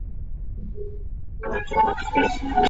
下图为现代商品化的汽水糖。